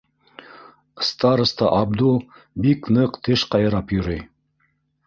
Староста Абдул бик ныҡ теш ҡайрап йөрөй.